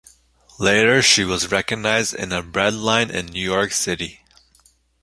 Later she was recognized in a bread line in New York City.